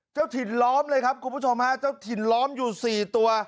เจ้าถิ่นล้อมเลยครับคุณผู้ชมฮะเจ้าถิ่นล้อมอยู่๔ตัว